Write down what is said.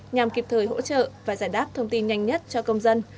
nhằm kịp thời hỗ trợ và giải đáp thông tin nhanh nhất cho công dân